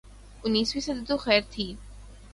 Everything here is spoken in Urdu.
انیسویں صدی تو خیر تھی۔